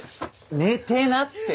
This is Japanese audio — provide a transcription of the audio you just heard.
寝てなって。